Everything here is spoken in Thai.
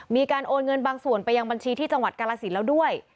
มีการโอนเงินบางส่วนไปยังบัญชีที่จังหวัดกาลสินแล้วด้วย